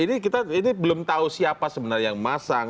ini belum tahu siapa sebenarnya yang masang